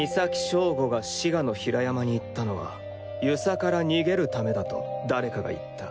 岬省吾が滋賀の比良山に行ったのは遊佐から逃げるためだと誰かが言った